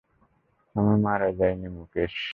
আমি মারা যাইনি মুকেশ।